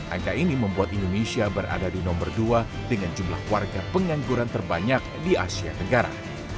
angka ini membuat indonesia berada di nomor dua dengan jumlah warga pengangguran terbanyak di asia tenggara